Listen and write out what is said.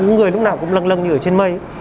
người lúc nào cũng lâng lâng như ở trên mây